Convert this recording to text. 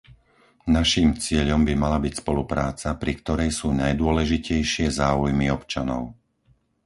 Naším cieľom by mala byť spolupráca, pri ktorej sú najdôležitejšie záujmy občanov.